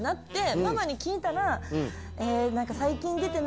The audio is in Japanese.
ママに聞いたら。